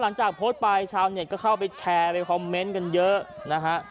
หลังจากโพสต์ไปชาวเน็ตก็เข้าไปแชร์ไปคอมเมนต์กันเยอะนะฮะ